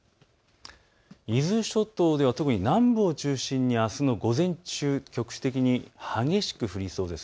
伊豆諸島では特に南部を中心にあすの午前中、局地的に激しく降りそうです。